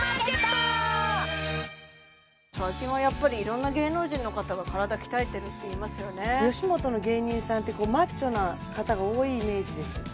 最近はいろんな芸能人の方が体鍛えてるっていいますよね吉本の芸人さんってマッチョな方が多いイメージです